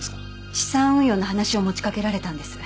資産運用の話を持ちかけられたんです。